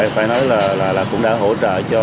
phải nói là cũng đã hỗ trợ cho